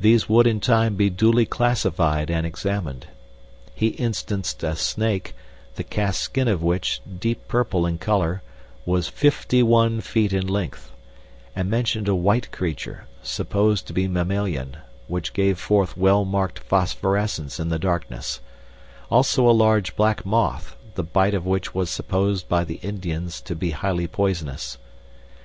These would in time be duly classified and examined. He instanced a snake, the cast skin of which, deep purple in color, was fifty one feet in length, and mentioned a white creature, supposed to be mammalian, which gave forth well marked phosphorescence in the darkness; also a large black moth, the bite of which was supposed by the Indians to be highly poisonous.